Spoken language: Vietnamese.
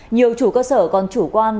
nhiều chủ cơ sở còn chủ quan